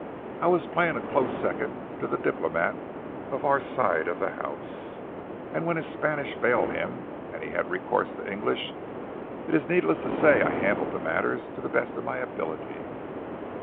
I was playing a close second to the diplomat of our side of the house, and when his Spanish failed him and he had recourse to English, it is needless to say I handled matters to the best of my ability.